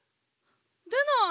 出ない。